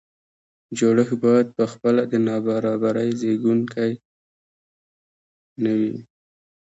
جوړښت باید په خپله د نابرابرۍ زیږوونکی نه وي.